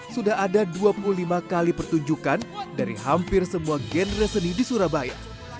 sudah ada dua puluh lima kali pertunjukan dari hampir semua genre seni di surabaya